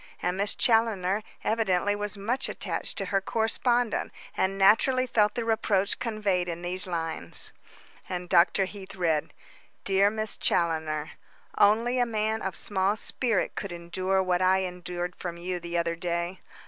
And Miss Challoner evidently was much attached to her correspondent, and naturally felt the reproach conveyed in these lines." And Dr. Heath read: "Dear Miss Challoner: "Only a man of small spirit could endure what I endured from you the other day.